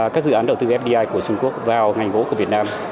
các dự án đầu tư fdi của trung quốc vào ngành gỗ của việt nam